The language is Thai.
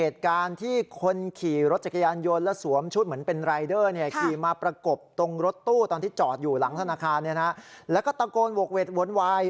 ที่เบิกมาเยอะแบบนี้